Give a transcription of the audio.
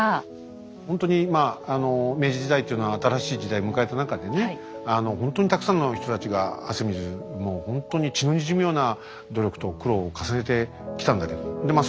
ほんとにまあ明治時代っていうのは新しい時代迎えた中でねあのほんとにたくさんの人たちが汗水もうほんとに血のにじむような努力と苦労を重ねてきたんだけどでまあ